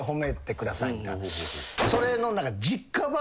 それの。